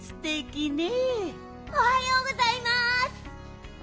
おはようございます。